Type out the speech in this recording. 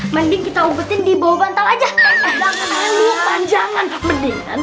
mending kita obatin dibawa bantal aja jangan